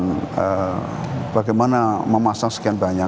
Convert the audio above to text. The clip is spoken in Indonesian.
bagaimana memasang sekian banyak